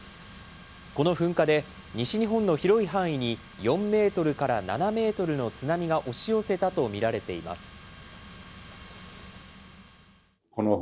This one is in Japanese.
この噴火で、西日本の広い範囲に４メートルから７メートルの津波が押し寄せたと見られています。